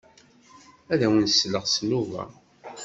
Ad awen-sleɣ s nnuba.